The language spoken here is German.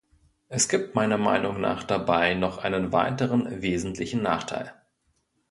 Es gibt meiner Meinung nach dabei noch einen weiteren wesentlichen Nachteil.